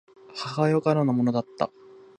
母親からのものだった